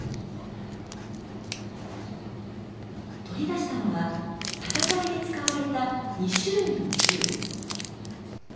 取り出したのは戦いで使われた２種類の銃。